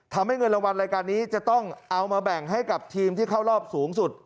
เงินรางวัลรายการนี้จะต้องเอามาแบ่งให้กับทีมที่เข้ารอบสูงสุด